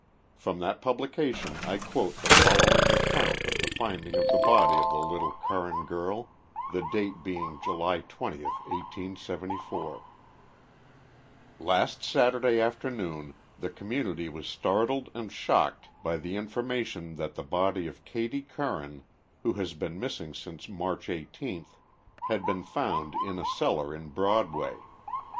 From that publication I quoted the following account of the find ing of the body of the little Curran girl, the date being July 20 1S74 :•* Last Saturday afternoon the community was startled and shocked by the information that the body of Katie Curran, who has been missing since March IS, had been found in a cellar in Broadway.